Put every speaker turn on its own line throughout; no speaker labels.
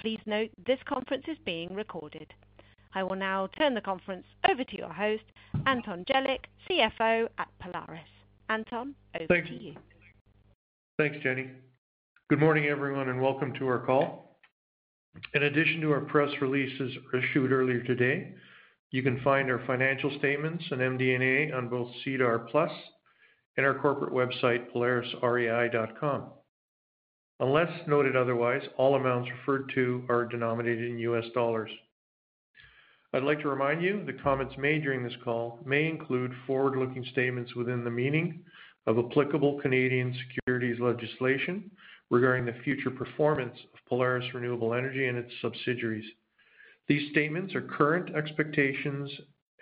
Please note, this conference is being recorded. I will now turn the conference over to your host, Anton Jelic, CFO at Polaris. Anton, over to you.
Thanks, Jenny. Good morning, everyone, and welcome to our call. In addition to our press releases issued earlier today, you can find our financial statements and MD&A on both SEDAR+ and our corporate website, polarisrei.com. Unless noted otherwise, all amounts referred to are denominated in US dollars. I'd like to remind you that comments made during this call may include forward-looking statements within the meaning of applicable Canadian securities legislation regarding the future performance of Polaris Renewable Energy and its subsidiaries. These statements are current expectations,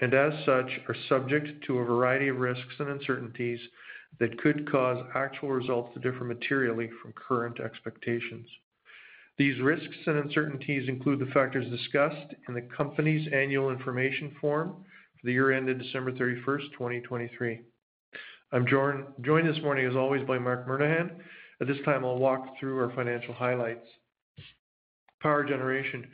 and as such, are subject to a variety of risks and uncertainties that could cause actual results to differ materially from current expectations. These risks and uncertainties include the factors discussed in the company's annual information form for the year ended 31st December, 2023. I'm joined this morning, as always, by Marc Murnaghan. At this time, I'll walk through our financial highlights. Power generation.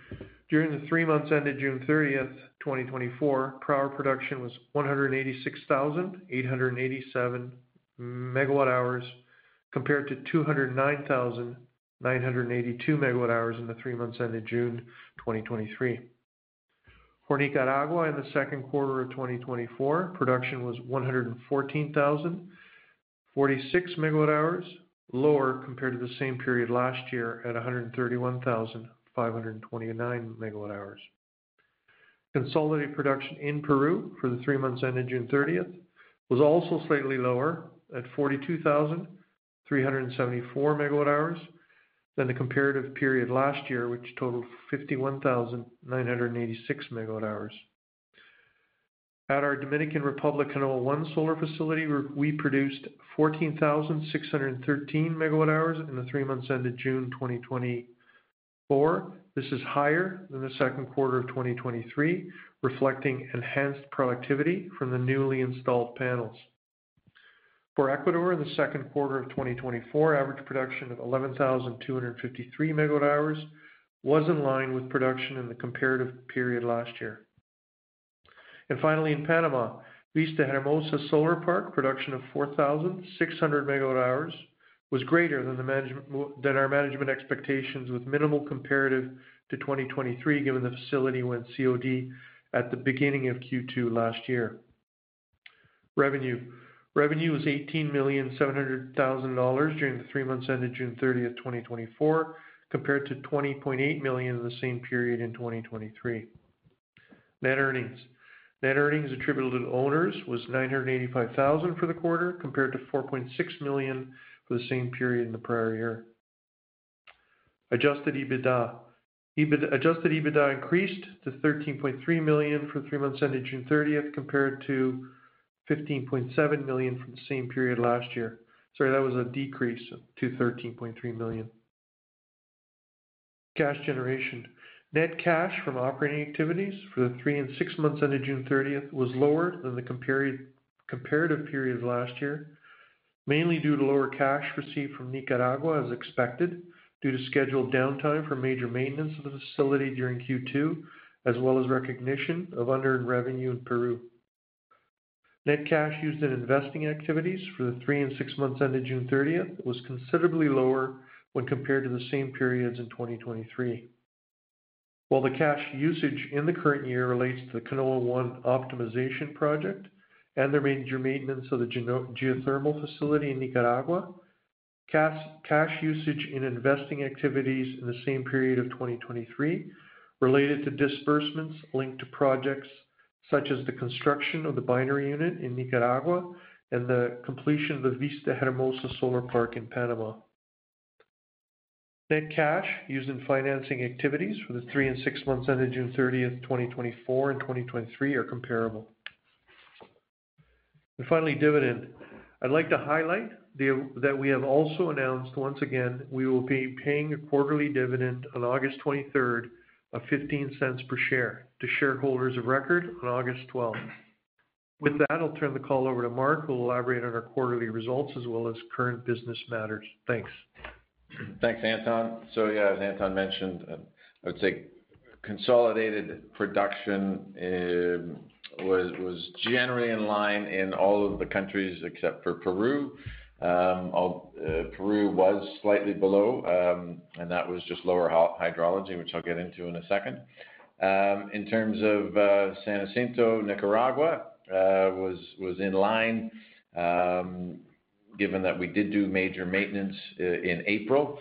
During the three months ended 30th June 2024, power production was 186,887 - 209,982 MWh in the three months ended 30th June, 2023. For Nicaragua, in the second quarter of 2024, production was 114,046 MWh, lower compared to the same period last year at 131,529 MWh. Consolidated production in Peru for the three months ended 30th June was also slightly lower at 42,374 MWh than the comparative period last year, which totaled 51,986 MWh. At our Dominican Republic Canoa One solar facility, we produced 14,613 MWh in the three months ended June 2024. This is higher than the second quarter of 2023, reflecting enhanced productivity from the newly installed panels. For Ecuador, in the second quarter of 2024, average production of 11,253 MWh was in line with production in the comparative period last year. Finally, in Panama, Vista Hermosa Solar Park, production of 4,600 MWh was greater than our management expectations, with minimal comparative to 2023, given the facility went COD at the beginning of Q2 last year. Revenue was $18.7 million during the three months ended 30th June, 2024, compared to $20.8 million in the same period in 2023. Net earnings. Net earnings attributable to owners was $985,000 for the quarter, compared to $4.6 million for the same period in the prior year. Adjusted EBITDA. Adjusted EBITDA increased to $13.3 million for the three months ended 30th June, compared to $15.7 million from the same period last year. Sorry, that was a decrease to $13.3 million. Cash generation. Net cash from operating activities for the three and six months ended 30th June was lower than the comparative period last year, mainly due to lower cash received from Nicaragua, as expected, due to scheduled downtime for major maintenance of the facility during Q2, as well as recognition of unearned revenue in Peru. Net cash used in investing activities for the three and six months ended 30th June was considerably lower when compared to the same periods in 2023. While the cash usage in the current year relates to the Canoa One optimization project and the major maintenance of the geothermal facility in Nicaragua, cash usage in investing activities in the same period of 2023 related to disbursements linked to projects such as the construction of the binary unit in Nicaragua and the completion of the Vista Hermosa Solar Park in Panama. Net cash used in financing activities for the three and six months ended 30th June, 2024, and 2023 are comparable. And finally, dividend. I'd like to highlight that we have also announced once again, we will be paying a quarterly dividend on 23rd August of $0.15 per share to shareholders of record on 12th August. With that, I'll turn the call over to Mark, who'll elaborate on our quarterly results as well as current business matters. Thanks.
Thanks, Anton. So yeah, as Anton mentioned, I would say consolidated production was generally in line in all of the countries except for Peru. Peru was slightly below, and that was just lower hydrology, which I'll get into in a second. In terms of San Jacinto, Nicaragua, was in line, given that we did do major maintenance in April.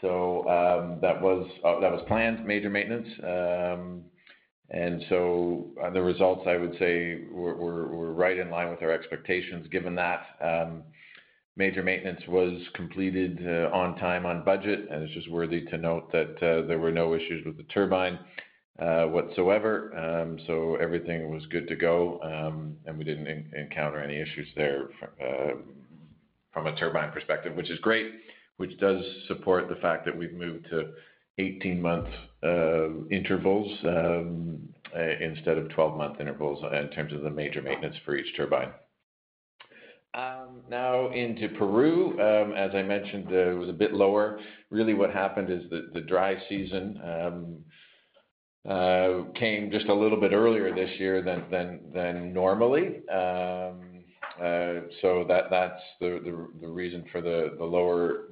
So, that was planned, major maintenance. And so the results, I would say, were right in line with our expectations, given that major maintenance was completed on time, on budget. And it's just worthy to note that there were no issues with the turbine whatsoever. So everything was good to go, and we didn't encounter any issues there from a turbine perspective, which is great, which does support the fact that we've moved to 18-month intervals instead of 12-month intervals in terms of the major maintenance for each turbine. Now into Peru. As I mentioned, it was a bit lower. Really, what happened is the dry season came just a little bit earlier this year than normally. So that's the reason for the lower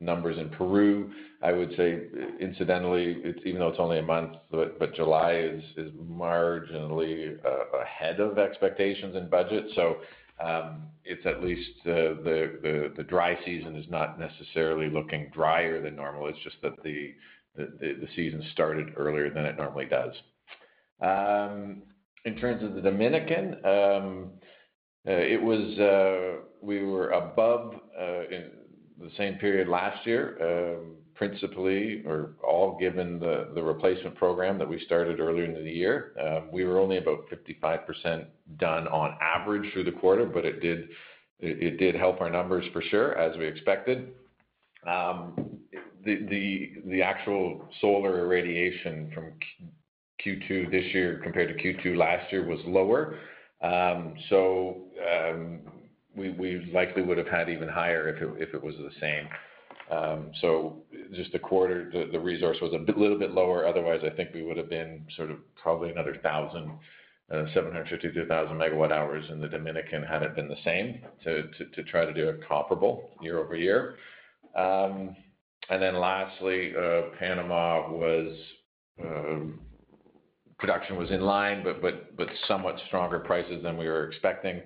numbers in Peru. I would say, incidentally, it's even though it's only a month, but July is marginally ahead of expectations and budget. So it's at least the dry season is not necessarily looking drier than normal. It's just that the season started earlier than it normally does. In terms of the Dominican, it was we were above in the same period last year, principally or all given the replacement program that we started earlier in the year. We were only about 55% done on average through the quarter, but it did help our numbers for sure, as we expected. The actual solar irradiation from Q2 this year compared to Q2 last year was lower. So we likely would have had even higher if it was the same. So just the quarter, the resource was a bit little bit lower. Otherwise, I think we would have been sort of probably another 1,700-2,000 MWh in the Dominican, had it been the same, to try to do a comparable year-over-year. And then lastly, Panama was production was in line, but somewhat stronger prices than we were expecting.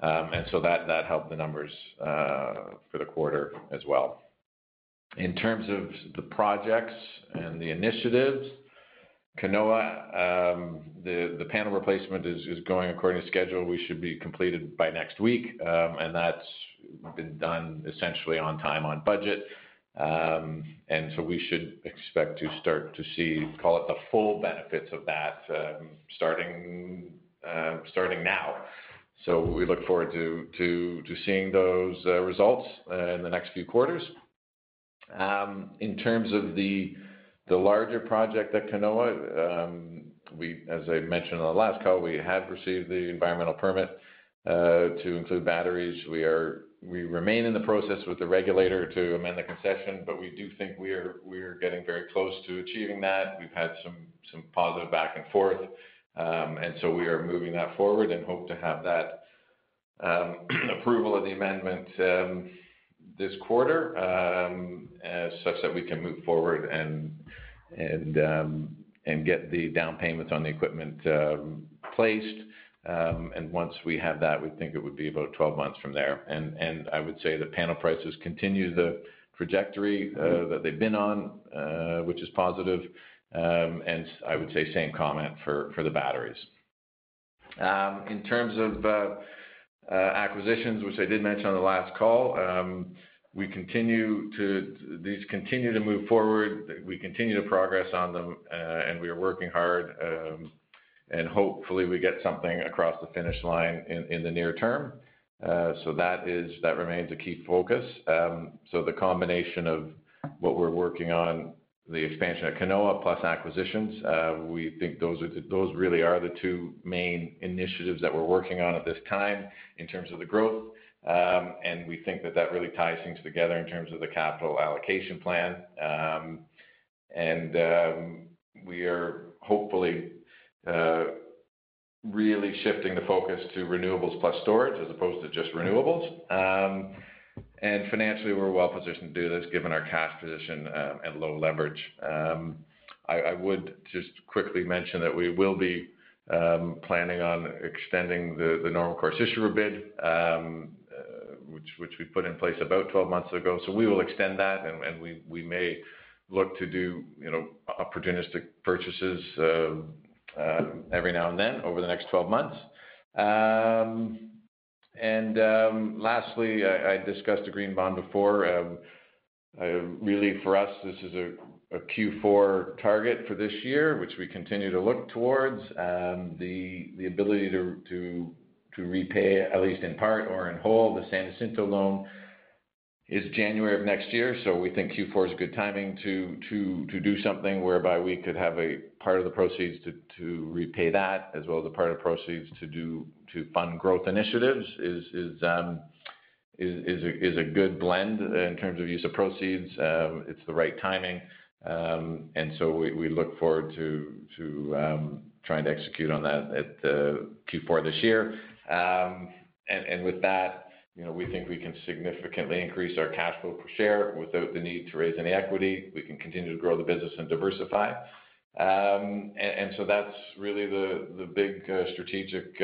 And so that helped the numbers for the quarter as well. In terms of the projects and the initiatives, Canoa, the panel replacement is going according to schedule. We should be completed by next week, and that's been done essentially on time, on budget. And so we should expect to start to see, call it, the full benefits of that, starting now. So we look forward to seeing those results in the next few quarters. In terms of the larger project at Canoa, as I mentioned on the last call, we have received the environmental permit to include batteries. We remain in the process with the regulator to amend the concession, but we do think we are getting very close to achieving that. We've had some positive back and forth. So we are moving that forward and hope to have that approval of the amendment this quarter such that we can move forward and get the down payments on the equipment placed. And once we have that, we think it would be about 12 months from there. I would say the panel prices continue the trajectory that they've been on, which is positive. I would say the same comment for the batteries. In terms of acquisitions, which I did mention on the last call, these continue to move forward. We continue to progress on them, and we are working hard, and hopefully we get something across the finish line in the near term. So that is, that remains a key focus. So the combination of what we're working on, the expansion of Canoa plus acquisitions, we think those are, those really are the two main initiatives that we're working on at this time in terms of the growth. We think that that really ties things together in terms of the capital allocation plan. We are hopefully really shifting the focus to renewables plus storage as opposed to just renewables. Financially, we're well positioned to do this, given our cash position and low leverage. I would just quickly mention that we will be planning on extending the normal course issuer bid, which we put in place about 12 months ago. We will extend that, and we may look to do, you know, opportunistic purchases every now and then over the next 12 months. Lastly, I discussed the green bond before. Really for us, this is a Q4 target for this year, which we continue to look towards. The ability to repay, at least in part or in whole, the San Jacinto loan is January of next year. So we think Q4 is a good timing to do something whereby we could have a part of the proceeds to repay that, as well as a part of the proceeds to fund growth initiatives, is a good blend in terms of use of proceeds. It's the right timing. And with that, you know, we think we can significantly increase our cash flow per share without the need to raise any equity. We can continue to grow the business and diversify. And so that's really the big strategic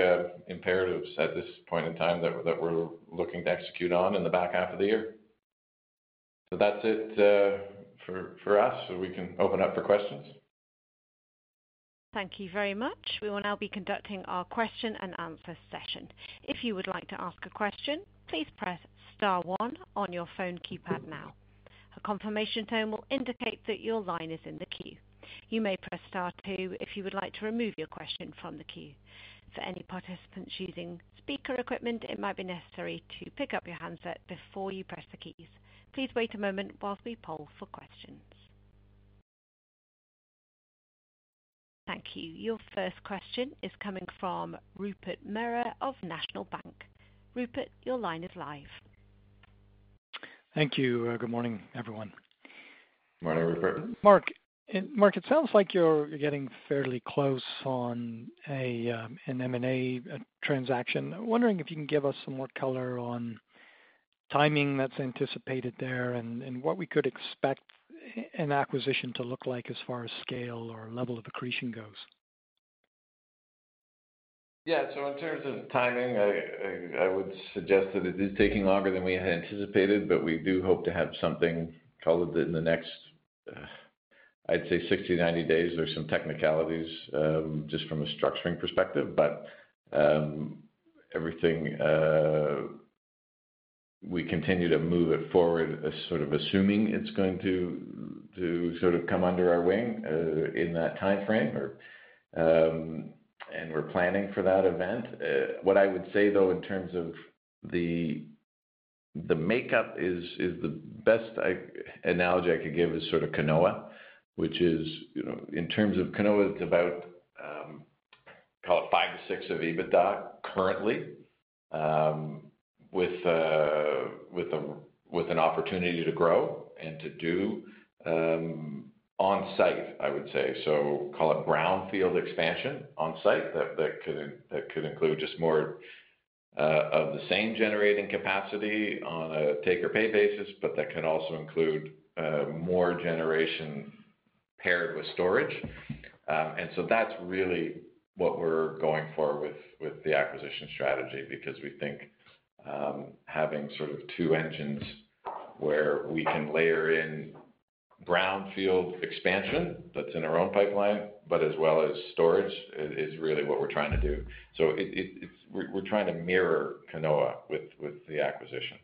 imperatives at this point in time that we're looking to execute on in the back half of the year. So that's it for us. So we can open up for questions.
Thank you very much. We will now be conducting our question and answer session. If you would like to ask a question, please press star one on your phone keypad now. A confirmation tone will indicate that your line is in the queue. You may press star two if you would like to remove your question from the queue. For any participants using speaker equipment, it might be necessary to pick up your handset before you press the keys. Please wait a moment while we poll for questions.... Thank you. Your first question is coming from Rupert Merer of National Bank. Rupert, your line is live.
Thank you. Good morning, everyone.
Morning, Rupert.
Mark, it sounds like you're getting fairly close on an M&A transaction. I'm wondering if you can give us some more color on timing that's anticipated there, and what we could expect an acquisition to look like as far as scale or level of accretion goes?
Yeah. So in terms of timing, I would suggest that it is taking longer than we had anticipated, but we do hope to have something probably within the next, I'd say 60-90 days. There's some technicalities, just from a structuring perspective, but everything. We continue to move it forward, sort of assuming it's going to sort of come under our wing in that timeframe or, and we're planning for that event. What I would say, though, in terms of the makeup is the best analogy I could give is sort of Canoa, which is, you know, in terms of Canoa, it's about, call it 5-6 of EBITDA currently, with an opportunity to grow and to do on site, I would say. So call it brownfield expansion on site. That could include just more of the same generating capacity on a take-or-pay basis, but that can also include more generation paired with storage. And so that's really what we're going for with the acquisition strategy, because we think having sort of two engines where we can layer in brownfield expansion that's in our own pipeline, but as well as storage, is really what we're trying to do. So we're trying to mirror Canoa with the acquisition.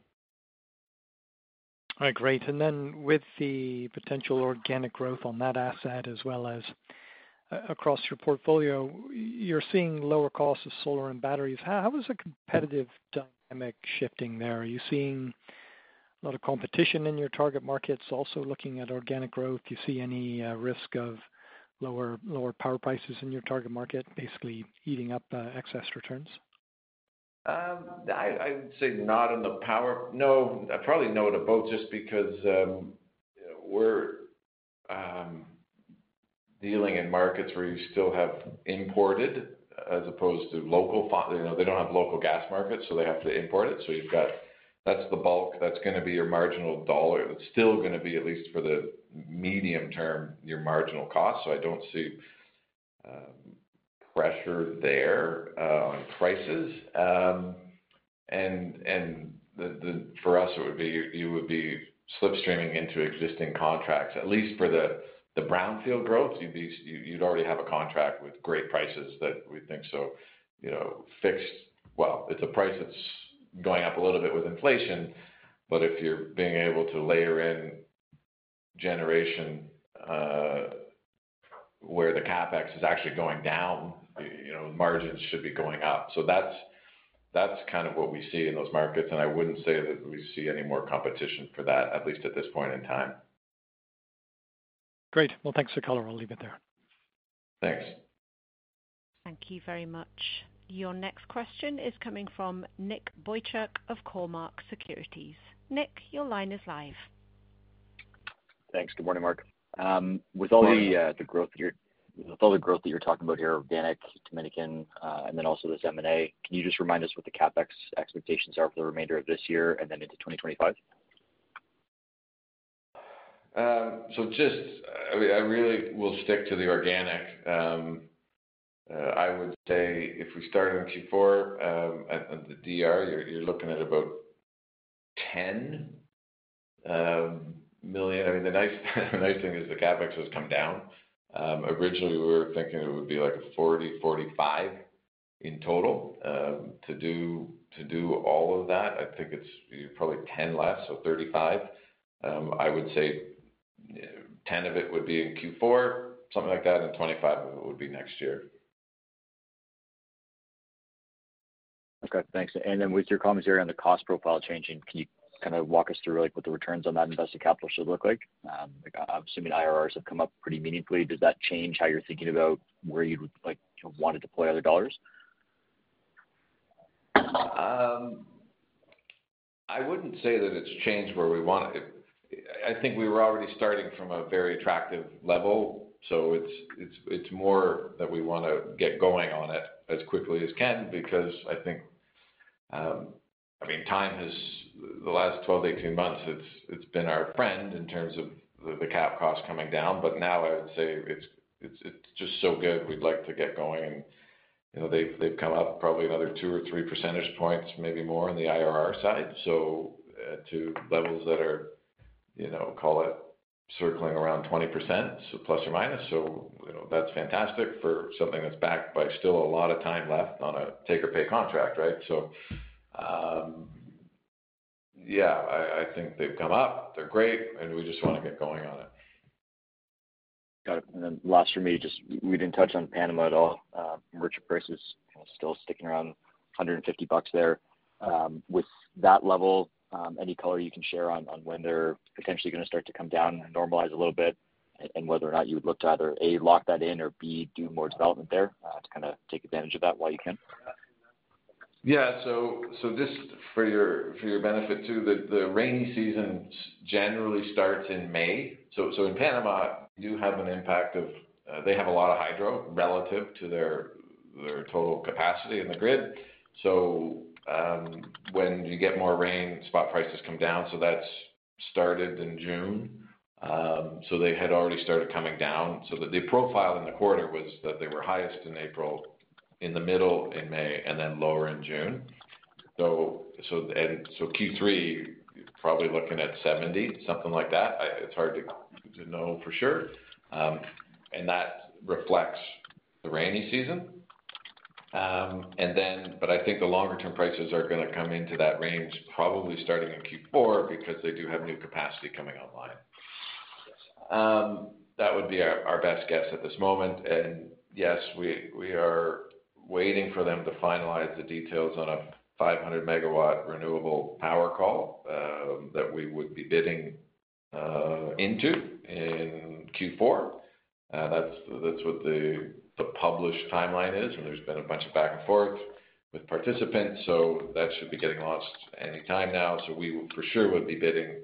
All right, great. And then with the potential organic growth on that asset, as well as across your portfolio, you're seeing lower costs of solar and batteries. How is the competitive dynamic shifting there? Are you seeing a lot of competition in your target markets? Also, looking at organic growth, do you see any risk of lower power prices in your target market, basically eating up excess returns?
No. Probably no to both, just because we're dealing in markets where you still have imported as opposed to local. You know, they don't have local gas markets, so they have to import it. That's the bulk. That's going to be your marginal dollar. It's still going to be, at least for the medium term, your marginal cost. So I don't see pressure there on prices. For us, it would be you would be slipstreaming into existing contracts, at least for the brownfield growth, you'd already have a contract with great prices that we think so, you know, fixed... Well, it's a price that's going up a little bit with inflation, but if you're being able to layer in generation, where the CapEx is actually going down, you know, margins should be going up. So that's, that's kind of what we see in those markets, and I wouldn't say that we see any more competition for that, at least at this point in time.
Great. Well, thanks for color. I'll leave it there.
Thanks.
Thank you very much. Your next question is coming from Nick Boychuk of Cormark Securities. Nick, your line is live.
Thanks. Good morning, Mark.
Good morning.
With all the growth that you're talking about here, organic, Dominican, and then also this M&A, can you just remind us what the CapEx expectations are for the remainder of this year and then into 2025?
So just, I mean, I really will stick to the organic. I would say if we start in Q4, at the DR, you're looking at about $10 million. I mean, the nice thing is the CapEx has come down. Originally, we were thinking it would be like a $40-$45 million in total. To do all of that, I think it's probably 10 less, so 35. I would say 10 of it would be in Q4, something like that, and 25 of it would be next year.
Okay, thanks. Then with your comments around the cost profile changing, can you kind of walk us through, like, what the returns on that invested capital should look like? Like, I'm assuming IRRs have come up pretty meaningfully. Does that change how you're thinking about where you would like to want to deploy other dollars?
I wouldn't say that it's changed where we want it. I think we were already starting from a very attractive level, so it's more that we want to get going on it as quickly as can, because I think, I mean, the last 12, 18 months, it's been our friend in terms of the cap cost coming down, but now I would say it's just so good, we'd like to get going. You know, they've come up probably another 2 or 3 percentage points, maybe more, on the IRR side, so to levels that are, you know, call it circling around 20%, so plus or minus. So, you know, that's fantastic for something that's backed by still a lot of time left on a take-or-pay contract, right? So, yeah, I think they've come up, they're great, and we just want to get going on it.
Got it. And then last for me, just we didn't touch on Panama at all. Merchant prices?... still sticking around $150 there. With that level, any color you can share on, on when they're potentially gonna start to come down and normalize a little bit, and, and whether or not you would look to either, A, lock that in, or B, do more development there, to kind of take advantage of that while you can?
Yeah. So, just for your benefit too, the rainy season generally starts in May. So, in Panama, you have an impact of, they have a lot of hydro relative to their total capacity in the grid. So, when you get more rain, spot prices come down, so that's started in June. So they had already started coming down. So the profile in the quarter was that they were highest in April, in the middle in May, and then lower in June. So and so Q3, probably looking at 70, something like that. It's hard to know for sure. And that reflects the rainy season. And then, but I think the longer-term prices are gonna come into that range, probably starting in Q4, because they do have new capacity coming online. That would be our best guess at this moment. And yes, we are waiting for them to finalize the details on a 500 MW renewable power call that we would be bidding into in Q4. That's what the published timeline is, and there's been a bunch of back and forth with participants, so that should be getting announced any time now. So we for sure would be bidding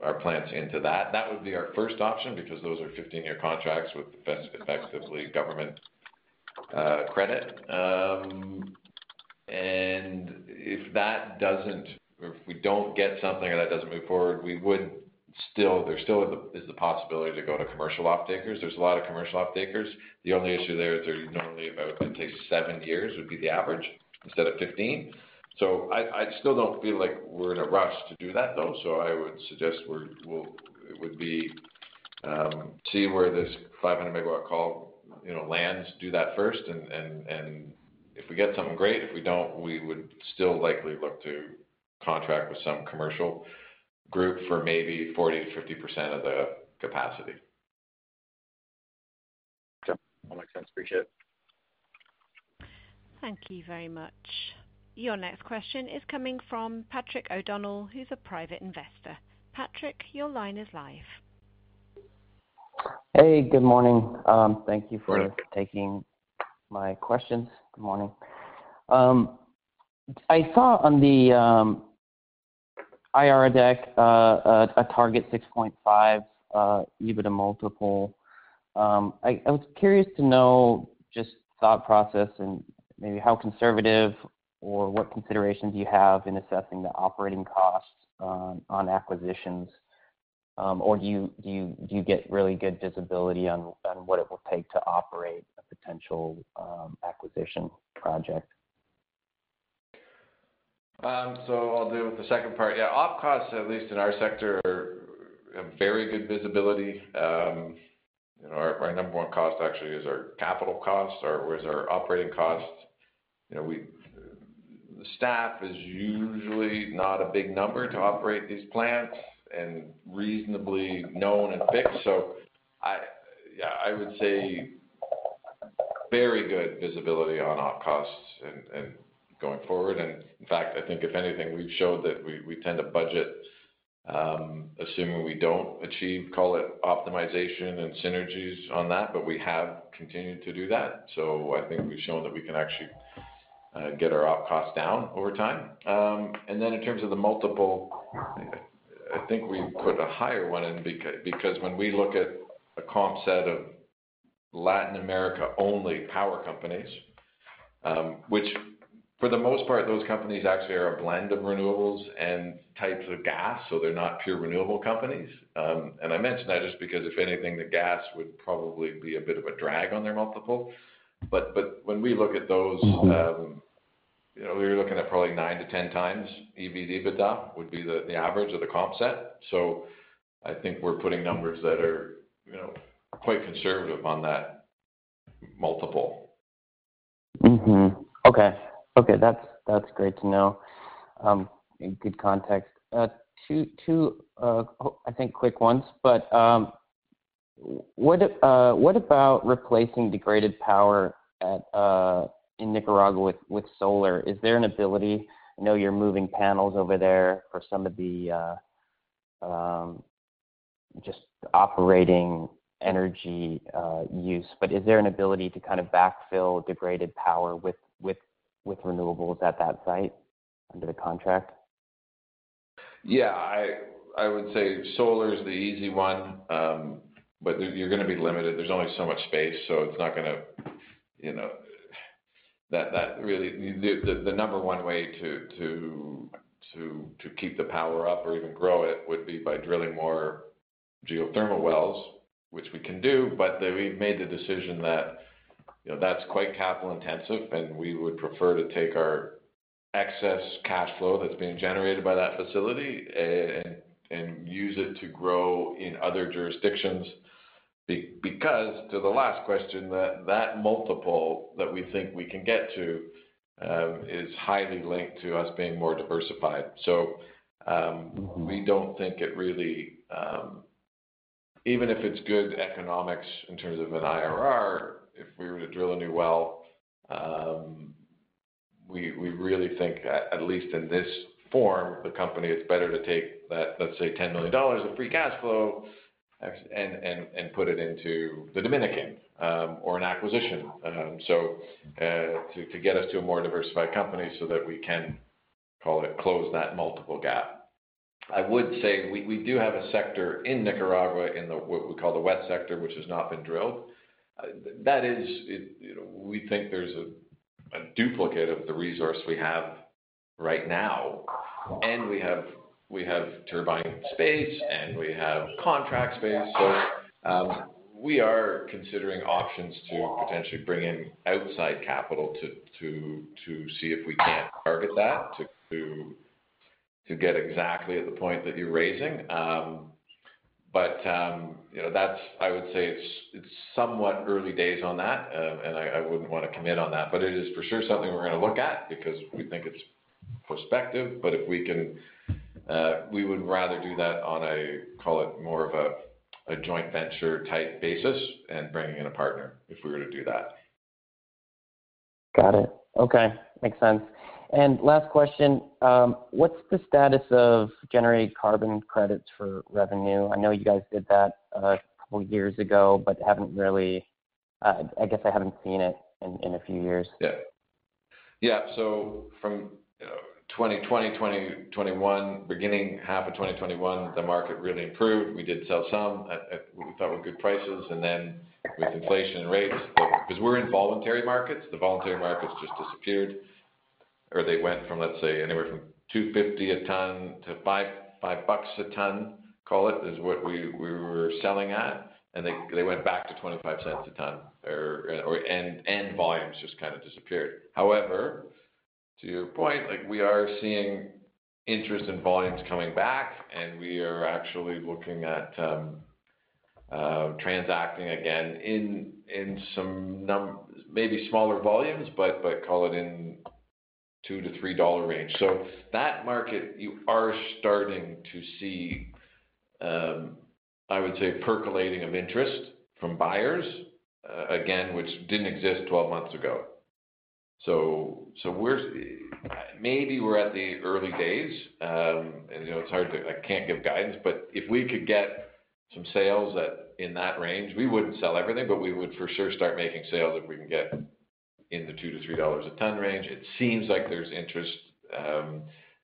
our plants into that. That would be our first option, because those are 15-year contracts with effectively government credit. And if that doesn't, or if we don't get something or that doesn't move forward, we would still there still is the possibility to go to commercial offtakers. There's a lot of commercial offtakers. The only issue there is they're normally about, it takes 7 years, would be the average, instead of 15. So I, I still don't feel like we're in a rush to do that, though, so I would suggest we're, we'll, it would be, see where this 500-MW call, you know, lands, do that first, and, and, and if we get something, great. If we don't, we would still likely look to contract with some commercial group for maybe 40%-50% of the capacity.
Okay. All makes sense. Appreciate it.
Thank you very much. Your next question is coming fromll Patrick O'Donne, who's a private investor. Patrick, your line is live.
Hey, good morning. Thank you for-
Good morning...
taking my questions. Good morning. I saw on the IR deck a target 6.5 EBITDA multiple. I was curious to know just thought process and maybe how conservative or what considerations you have in assessing the operating costs on acquisitions. Or do you get really good visibility on what it will take to operate a potential acquisition project?
So I'll deal with the second part. Yeah, op costs, at least in our sector, are a very good visibility. And our number one cost actually is our capital costs or is our operating costs. You know, the staff is usually not a big number to operate these plants and reasonably known and fixed. So, yeah, I would say very good visibility on op costs and going forward, and in fact, I think if anything, we've showed that we tend to budget assuming we don't achieve, call it, optimization and synergies on that, but we have continued to do that. So I think we've shown that we can actually get our op costs down over time. And then in terms of the multiple, I think we put a higher one in because when we look at a comp set of Latin America-only power companies, which for the most part, those companies actually are a blend of renewables and types of gas, so they're not pure renewable companies. And I mention that just because, if anything, the gas would probably be a bit of a drag on their multiple. But when we look at those- Mm-hmm... you know, we're looking at probably 9-10 times EV/EBITDA would be the average of the comp set. So I think we're putting numbers that are, you know, quite conservative on that multiple.
Mm-hmm. Okay. Okay, that's great to know. And good context. Two, I think, quick ones. But what about replacing degraded power in Nicaragua with solar? Is there an ability? I know you're moving panels over there for some of the just operating energy use, but is there an ability to kind of backfill degraded power with renewables at that site under the contract?
Yeah. I would say solar is the easy one, but you're gonna be limited. There's only so much space, so it's not gonna, you know... That really, the number one way to keep the power up or even grow it, would be by drilling more geothermal wells, which we can do, but then we've made the decision that, you know, that's quite capital intensive, and we would prefer to take our excess cash flow that's being generated by that facility and use it to grow in other jurisdictions. Because, to the last question, that multiple that we think we can get to is highly linked to us being more diversified. So, Mm-hmm... we don't think it really even if it's good economics in terms of an IRR, if we were to drill a new well, we really think at least in this form, the company, it's better to take that, let's say, $10 million of free cash flow and put it into the Dominican or an acquisition. So to get us to a more diversified company so that we can, call it, close that multiple gap. I would say we do have a sector in Nicaragua, in the what we call the wet sector, which has not been drilled. That is, you know, we think there's a duplicate of the resource we have right now, and we have turbine space, and we have contract space. So, we are considering options to potentially bring in outside capital to see if we can't target that, to get exactly at the point that you're raising. But, you know, that's—I would say it's somewhat early days on that. And I wouldn't want to commit on that, but it is for sure something we're gonna look at because we think it's prospective. But if we can, we would rather do that on a, call it more of a, joint venture-type basis and bringing in a partner, if we were to do that.
Got it. Okay, makes sense. And last question, what's the status of generating carbon credits for revenue? I know you guys did that a couple years ago, but haven't really, I guess I haven't seen it in a few years.
Yeah. Yeah, so from 2021, beginning half of 2021, the market really improved. We did sell some at, at – we thought were good prices, and then with inflation and rates, because we're in voluntary markets, the voluntary markets just disappeared, or they went from, let's say, anywhere from $250 - $5 a ton, call it, is what we were selling at, and they went back to $0.25 a ton or, or – and volumes just kind of disappeared. However, to your point, like, we are seeing interest in volumes coming back, and we are actually looking at transacting again in some maybe smaller volumes, but call it in $2-$3 range. So that market, you are starting to see, I would say, percolating of interest from buyers, again, which didn't exist 12 months ago. So, so we're maybe we're at the early days. And, you know, it's hard to I can't give guidance, but if we could get some sales that, in that range, we wouldn't sell everything, but we would for sure start making sales if we can get in the $2-$3 a ton range. It seems like there's interest,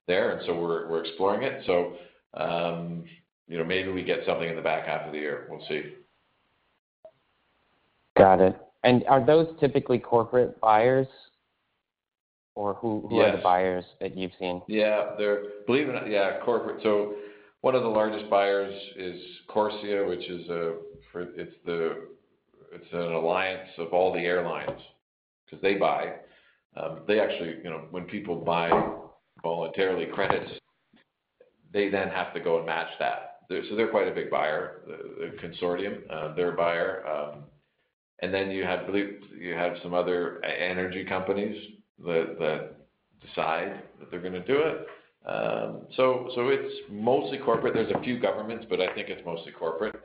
there, and so we're, we're exploring it. So, you know, maybe we get something in the back half of the year. We'll see.
Got it. And are those typically corporate buyers, or who-
Yes.
Who are the buyers that you've seen?
Yeah, they're. Yeah, corporate. So one of the largest buyers is CORSIA, which is a, it's the, it's an alliance of all the airlines, because they buy. They actually—you know, when people buy voluntarily credits, they then have to go and match that. So they're quite a big buyer, the consortium, they're a buyer. And then you have, believe you have some other energy companies that decide that they're gonna do it. So it's mostly corporate. There's a few governments, but I think it's mostly corporate.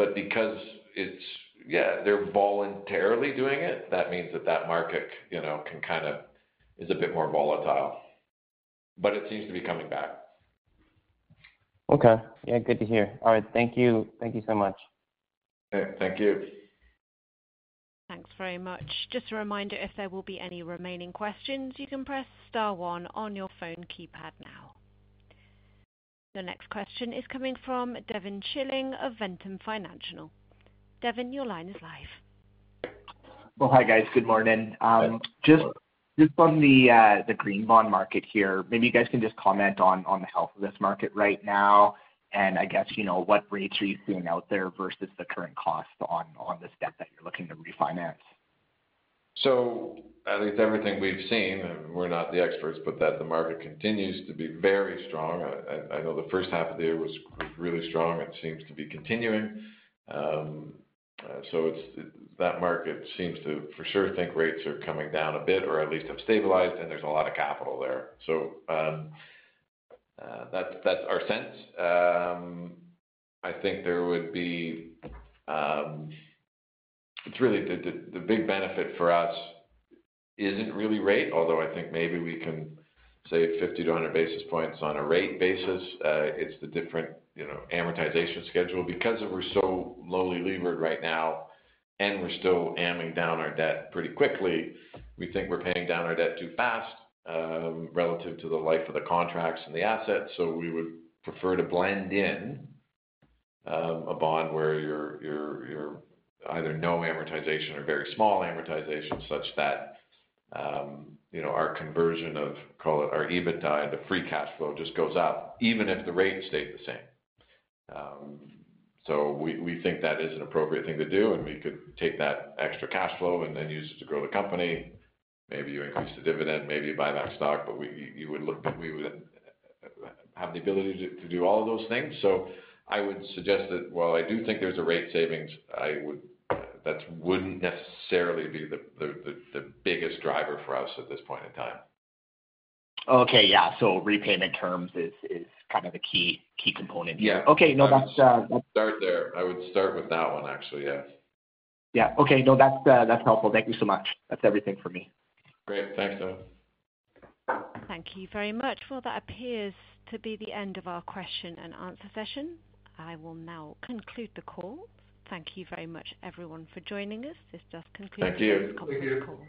But because it's. Yeah, they're voluntarily doing it, that means that, that market, you know, can kind of is a bit more volatile, but it seems to be coming back.
Okay. Yeah, good to hear. All right. Thank you. Thank you so much.
Okay. Thank you.
Thanks very much. Just a reminder, if there will be any remaining questions, you can press star one on your phone keypad now. The next question is coming from Devin Schilling of Ventum Financial. Devin, your line is live.
Well, hi, guys. Good morning.
Hi.
Just, just on the green bond market here, maybe you guys can just comment on the health of this market right now and I guess, you know, what rates are you seeing out there versus the current cost on the debt that you're looking to refinance?
So at least everything we've seen, and we're not the experts, but that the market continues to be very strong. I know the first half of the year was really strong. It seems to be continuing. So it's that market seems to for sure think rates are coming down a bit or at least have stabilized, and there's a lot of capital there. So that's our sense. I think there would be. It's really the big benefit for us isn't really rate, although I think maybe we can say 50-100 basis points on a rate basis. It's the different, you know, amortization schedule. Because we're so lowly levered right now, and we're still amortizing down our debt pretty quickly, we think we're paying down our debt too fast, relative to the life of the contracts and the assets. So we would prefer to blend in a bond where you're either no amortization or very small amortization, such that you know, our conversion of, call it, our EBITDA, the free cash flow just goes up, even if the rate stayed the same. So we think that is an appropriate thing to do, and we could take that extra cash flow and then use it to grow the company. Maybe you increase the dividend, maybe you buy back stock, but we would have the ability to do all of those things. So I would suggest that while I do think there's a rate savings, I would—that wouldn't necessarily be the biggest driver for us at this point in time.
Okay. Yeah, so repayment terms is kind of a key component here.
Yeah.
Okay. No, that's,
Start there. I would start with that one, actually, yeah.
Yeah. Okay. No, that's, that's helpful. Thank you so much. That's everything for me.
Great. Thanks, Devin.
Thank you very much. Well, that appears to be the end of our question and answer session. I will now conclude the call. Thank you very much, everyone, for joining us. This does conclude-
Thank you...
today's call.